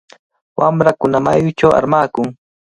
Wamrakuna mayuchaw armakun.